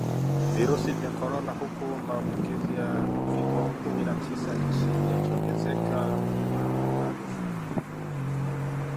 virusi vya corona huku maambukizi ya uviko kumi na tisa nchini yakiongezeka maradufu